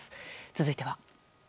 続いては。